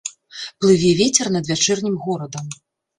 Плыве вецер над вячэрнім горадам.